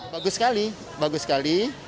bagus sekali bagus sekali